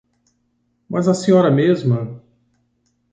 Mas a senhora mesma...